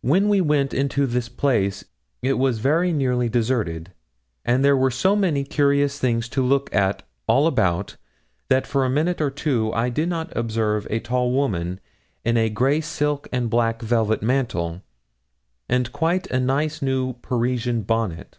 When we went into this place it was very nearly deserted, and there were so many curious things to look at all about, that for a minute or two I did not observe a tall woman, in a grey silk and a black velvet mantle, and quite a nice new Parisian bonnet.